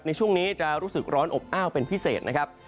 ในช่วงนี้จะรู้สึกร้อนอบอ้าวเป็นพิเศษนะครับ